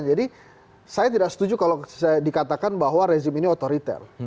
jadi saya tidak setuju kalau saya dikatakan bahwa rezim ini otoriter